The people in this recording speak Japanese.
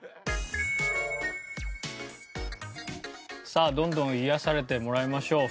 さあどんどん癒やされてもらいましょう。